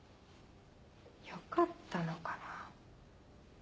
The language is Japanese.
よかったのかな？